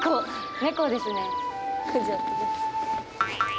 猫ですね。